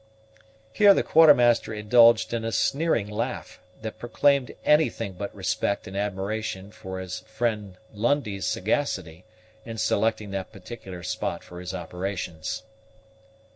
Here the Quartermaster indulged in a sneering laugh, that proclaimed anything but respect and admiration for his friend Lundie's sagacity in selecting that particular spot for his operations.